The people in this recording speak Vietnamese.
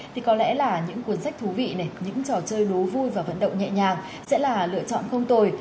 thì có lẽ là những cuốn sách thú vị này những trò chơi đố vui và vận động nhẹ nhàng sẽ là lựa chọn không tồi